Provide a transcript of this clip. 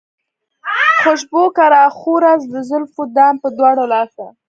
خوشبو که راخوره د زلفو دام پۀ دواړه لاسه